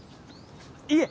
いえ